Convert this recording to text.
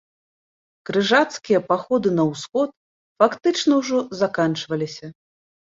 Крыжацкія паходы на ўсход фактычна ўжо заканчваліся.